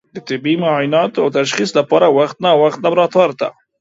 د طبي معایناتو او تشخیص لپاره وخت نا وخت لابراتوار ته